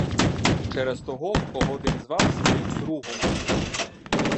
Через того, кого він звав своїм другом!